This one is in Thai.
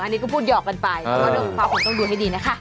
นี่ก็พูดหยอกกันไปเรียกว่าแล้วหุงความของต้องดูดให้ดีนะค่ะ